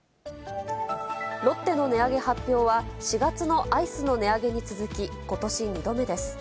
ロッテの値上げ発表は、４月のアイスの値上げに続き、ことし２度目です。